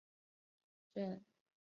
郑绥挟持黎槱退往安朗县。